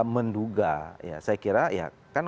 menduga saya kira